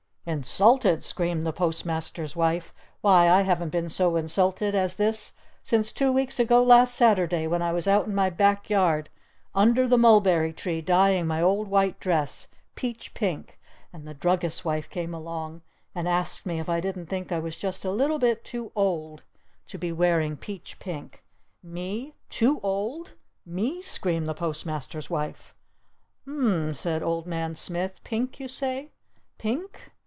"Insulted?" screamed the Post Master's Wife. "Why, I haven't been so insulted as this since two weeks ago last Saturday when I was out in my back yard under the Mulberry Tree dyeing my old white dress peach pink! And the Druggist's Wife came along and asked me if I didn't think I was just a little bit too old to be wearing peach pink? Me Too Old? Me?" screamed the Post Master's Wife. "U m m," said Old Man Smith. "Pink, you say? Pink?